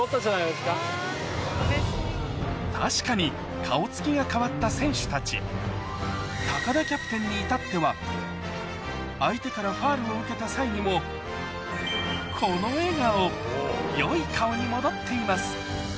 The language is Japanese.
確かに顔つきが変わった選手たち相手からファウルを受けた際にもこの笑顔良い顔に戻っています